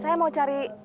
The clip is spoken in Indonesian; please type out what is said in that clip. saya mau cari